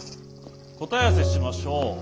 答え合わせしましょう。